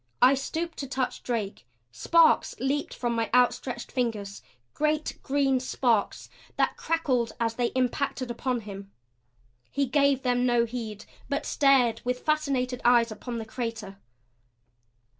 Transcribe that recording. I stooped to touch Drake; sparks leaped from my outstretched fingers, great green sparks that crackled as they impacted upon him. He gave them no heed; but stared with fascinated eyes upon the crater.